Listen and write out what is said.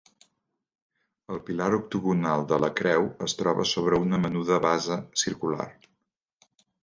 El pilar octogonal de la creu es troba sobre una menuda basa circular.